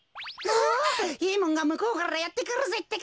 あっいいもんがむこうからやってくるぜってか。